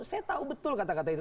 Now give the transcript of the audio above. saya tahu betul kata kata itu